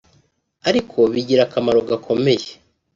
Ariko bigira akamaro gakomeye